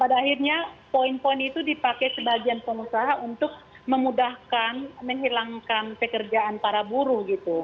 pada akhirnya poin poin itu dipakai sebagian pengusaha untuk memudahkan menghilangkan pekerjaan para buruh gitu